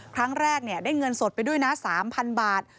ครั้งแรกเนี่ยได้เงินสดไปด้วยนะสามพันบาท